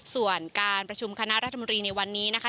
ส่วนการประชุมคณะรัฐมนตรีในวันนี้นะคะ